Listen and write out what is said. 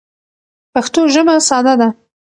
پښتو ژبه ساده ده.